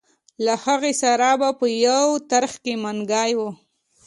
له هغې سره به په یو ترخ کې منګی و.